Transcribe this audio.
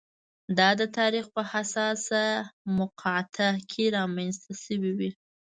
دا د تاریخ په حساسه مقطعه کې رامنځته شوې وي.